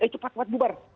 eh cepat cepat bubar